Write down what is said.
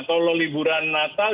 kalau liburan natal